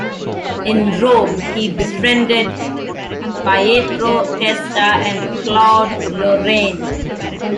In Rome, he befriended Pietro Testa and Claude Lorrain.